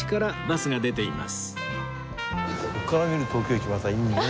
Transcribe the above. ここから見る東京駅またいいね。